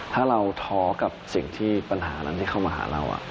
ถ้าเราท้อกับสิ่งที่ปัญหานั้นที่เข้ามาหาเรา